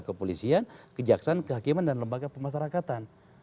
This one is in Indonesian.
kepolisian kejaksaan kehakiman dan lembaga pemasarakatan